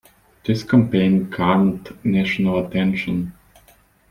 This campaign garnered national attention.